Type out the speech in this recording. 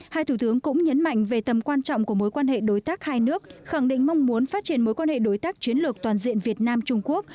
hai thủ tướng cũng nhấn mạnh về tầm quan trọng của mối quan hệ đối tác hai nước khẳng định mong muốn phát triển mối quan hệ đối tác chiến lược toàn diện việt nam trung quốc